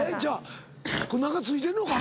これ何かついてんのか？